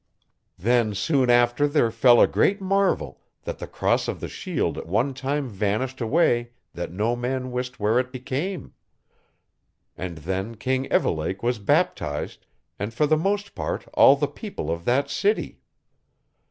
Then soon after there fell a great marvel, that the cross of the shield at one time vanished away that no man wist where it became. And then King Evelake was baptized, and for the most part all the people of that city.